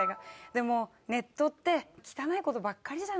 でもネットって汚い事ばっかりじゃないですか。